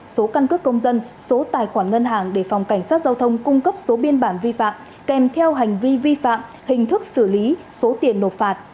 số căn cước công dân số tài khoản ngân hàng để phòng cảnh sát giao thông cung cấp số biên bản vi phạm kèm theo hành vi vi phạm hình thức xử lý số tiền nộp phạt